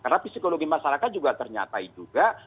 karena psikologi masyarakat juga ternyata juga